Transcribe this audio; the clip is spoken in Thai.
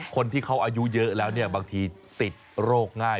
คนที่เขาอายุเยอะแล้วเนี่ยบางทีติดโรคง่าย